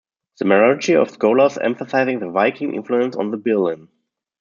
The majority of scholars emphasise the Viking influence on the birlinn.